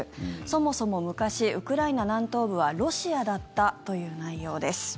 そもそも昔、ウクライナ南東部はロシアだったという内容です。